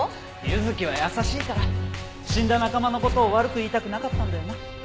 ユズキは優しいから死んだ仲間の事を悪く言いたくなかったんだよな？